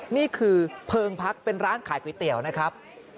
นี่คือเพลิงพักเป็นร้านขายก๋วยเตี๋ยวนะครับ